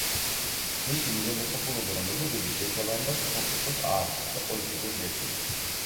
მისი მიზანდასახულობა და მეთოდები შეესაბამება სახელმწიფოს არსს და პოლიტიკურ რეჟიმს.